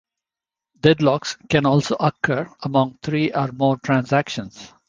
Deadlocks can also occur among three or more transactions.